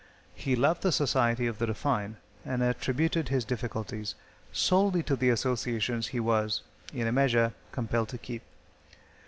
He loved the society of the refined, and attributed his difficulties solely to the associations he was, in a measure, compelled to keep.